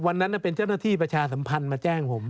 วันนั้นเป็นเจ้าหน้าที่ประชาสัมพันธ์มาแจ้งผม